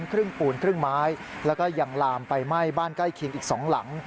ครึ่งปูนครึ่งไม้แล้วก็ยังลามไปไหม้บ้านใกล้เคียงอีก๒หลัง